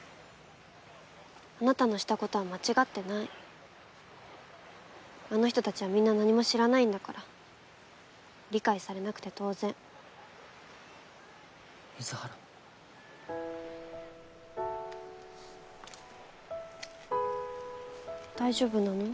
あなたのしたことは間違ってないあの人たちはみんな何も知らないんだから理解されなくて当然水原大丈夫なの？